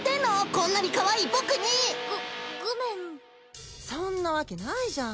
こんなにかわいい僕にごごめんそんなわけないじゃん